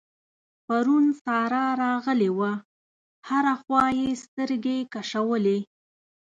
پرون سارا راغلې وه؛ هره خوا يې سترګې کشولې.